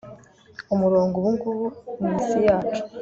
umurongo ubungubu ni isi yacu